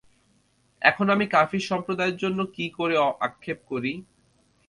এখন আমি কাফির সম্প্রদায়ের জন্যে কী করে আক্ষেপ করি।